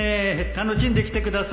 楽しんできてください